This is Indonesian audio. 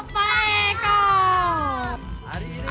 masuk pak eko